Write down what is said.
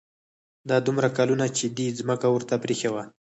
دا دومره کلونه چې دې ځمکه ورته پرېښې وه.